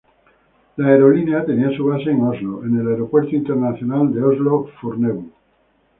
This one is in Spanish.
La aerolínea tenía su base en Oslo, en el Aeropuerto Internacional de Oslo-Fornebu.